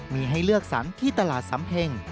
มีให้เลือกสรรที่ตลาดสำเพ็ง